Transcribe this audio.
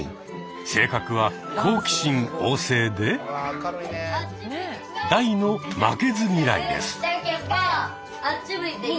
性格は好奇心旺盛で大の負けず嫌いです。